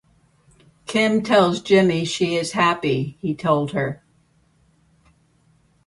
Kim tells Jimmy she is happy he told her.